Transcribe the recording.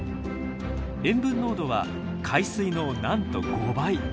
塩分濃度は海水のなんと５倍。